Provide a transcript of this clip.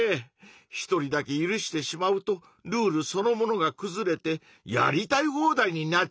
一人だけ許してしまうとルールそのものがくずれてやりたい放題になっちゃいそうだよね。